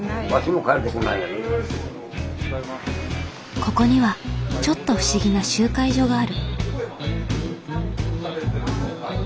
ここにはちょっと不思議な集会所がある。